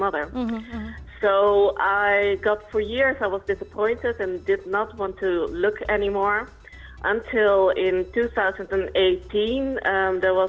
jadi selama beberapa tahun saya terkecewakan dan tidak ingin melihat lagi